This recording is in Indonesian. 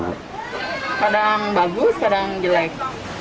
kadang bagus kadang jelek